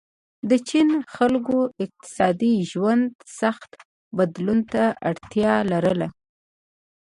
د چین خلکو اقتصادي ژوند سخت بدلون ته اړتیا لرله.